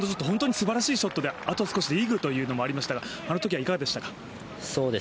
本当にすばらしいショットであと少しでイーグルというのもありましたが、あのときはいかがでしたか。